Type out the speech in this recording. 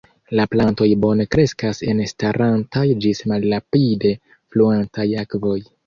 La plantoj bone kreskas en starantaj ĝis malrapide fluantaj akvoj.